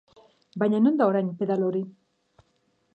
Baina non da orain pedalo hori?